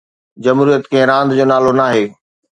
جمهوريت ڪنهن راند جو نالو ناهي.